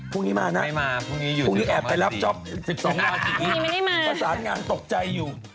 พรุ่งนี้มานะพรุ่งนี้แอบไปรับจ๊อป๑๒งานทีนี้ประสานงานตกใจอยู่